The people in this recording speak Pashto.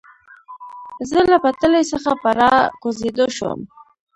زه له پټلۍ څخه په را کوزېدو شوم.